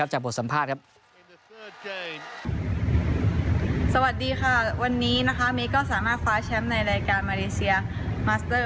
และจะจับบทสัมภาษณ์ครับสวัสดีค่ะวันนี้นะคะแมคก็สามารถฟ้าแชมป์ในรายการมาเลเซีย